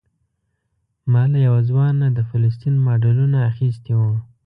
ما له یو ځوان نه د فلسطین ماډلونه اخیستي وو.